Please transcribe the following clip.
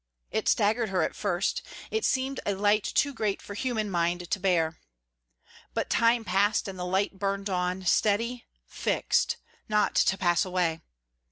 It staggered her at first; it seemed a light too great for human mind to bear. But time passed, and the light burned on, steady, fixed, not to pass away.